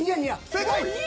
正解。